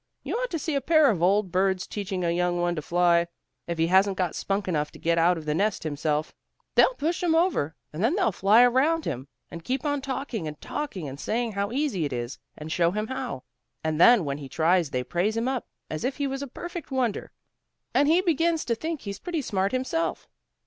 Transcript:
You ought to see a pair of old birds teaching a young one to fly. If he hasn't got spunk enough to get out of the nest himself, they'll push him over, and then they'll fly around him, and keep on talking and talking and saying how easy it is, and show him how. And then when he tries they praise him up, as if he was a perfect wonder, and he begins to think he's pretty smart himself."